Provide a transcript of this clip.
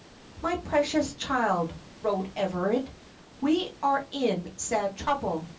"MY PRECIOUS CHILD," wrote Everard, "we are in sad trouble.